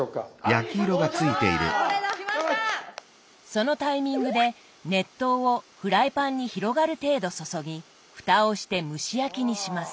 そのタイミングで熱湯をフライパンに広がる程度注ぎふたをして蒸し焼きにします。